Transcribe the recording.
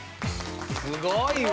すごいわ。